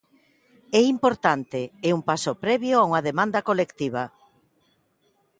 É importante e un paso previo a unha demanda colectiva.